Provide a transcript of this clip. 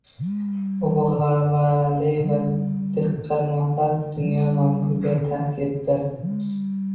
U bu gʻalvali va diqqinafas dunyoni manguga tark etdi